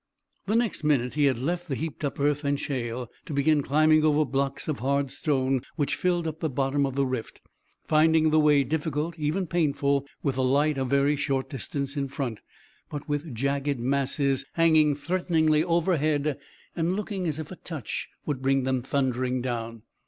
The next minute he had left the heaped up earth and shale, to begin climbing over blocks of hard stone which filled up the bottom of the rift, finding the way difficult, even painful, with the light a very short distance in front, but with jagged masses hanging threateningly overhead and looking as if a touch would bring them thundering down.